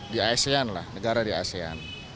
di asean lah negara di asean